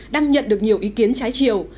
đang nhận được nhiều ý kiến trái chiều